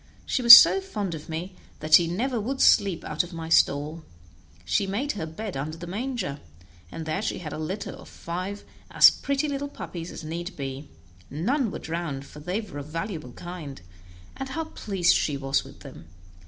She was so fond of me that she never would sleep out of my stall; she made her bed under the manger, and there she had a litter of five as pretty little puppies as need be; none were drowned, for they were a valuable kind, and how pleased she was with them!